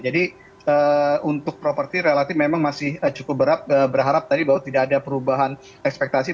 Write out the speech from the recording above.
jadi untuk properti relatif memang masih cukup berharap tadi bahwa tidak ada perubahan ekspektasi